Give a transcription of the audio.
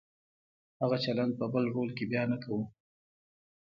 هغه چلند په بل رول کې بیا نه کوو.